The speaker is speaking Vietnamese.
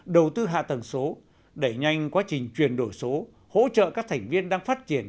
đầu tư hạ tầng số đẩy nhanh quá trình chuyển đổi số hỗ trợ các thành viên đang phát triển